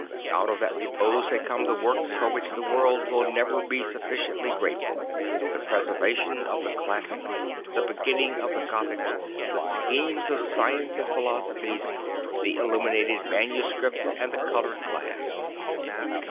Out of that repose had come the works for which the world will never be suffi ciently grateful, the preservation of the classics, the beginning of the Gothic, the schemes of science and philosophies, the illuminated manuscripts and the coloured glass.